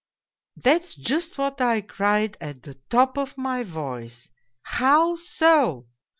" That's just what I cried at the top of my voice, ' How so